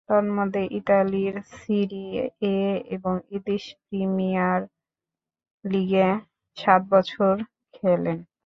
তন্মধ্যে, ইতালির Serie A এবং ইংলিশ প্রিমিয়ার লীগে সাত বছর খেলেন।